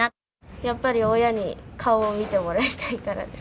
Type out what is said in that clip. やっぱり親に顔を見てもらいたいからです。